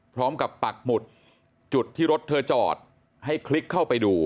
พร้อมกับปากหมุดจุดที่รถเธอจอดให้คลิกเข้าไปดู